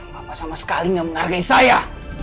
bapak sama sekali nggak menghargai saya